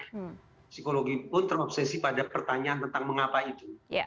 psikologi pun terobsesi pada pertanyaan tentang mengapa itu